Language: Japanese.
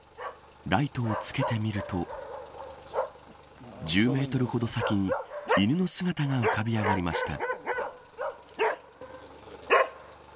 ライトをつけてみると１０メートルほど先に犬の姿が浮かび上がりました。